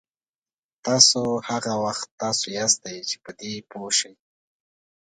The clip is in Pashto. تاسو هغه وخت تاسو یاستئ چې په دې پوه شئ.